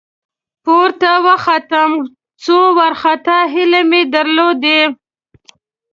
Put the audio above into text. ، پورته وختم، څو وارخطا هيلۍ مې ولېدې.